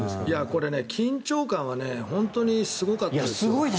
これ、緊張感は本当にすごかったです。